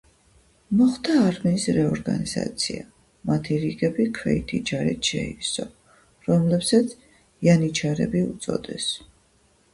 მოხდა არმიის რეორგანიზაცია, მათი რიგები ქვეითი ჯარით შეივსო, რომლებსაც იანიჩარები უწოდეს.